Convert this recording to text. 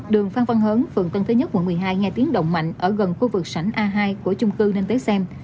đường phan văn hớn phường tân thế nhất quận một mươi hai nghe tiếng động mạnh ở gần khu vực sảnh a hai của chung cư nên tới xem